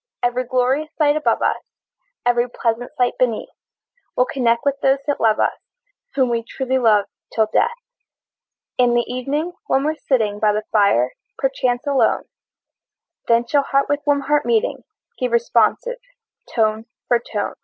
Every glorious sight above us, Every pleasant sight beneath, We'll connect with those that love us, Whom we truly love till death! In the evening, when we're sitting By the fire, perchance alone, Then shall heart with warm heart meeting, Give responsive tone for tone.